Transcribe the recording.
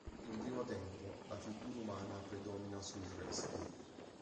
In un primo tempo, la figura umana predomina su il resto.